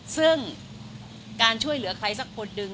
ซึ่งการช่วยเหลือใครสักคนหนึ่ง